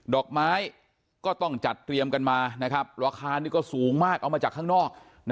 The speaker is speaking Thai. ดอกไม้ก็ต้องจัดเตรียมกันมาราคานี่ก็สูงมากเอามาจากข้างนอก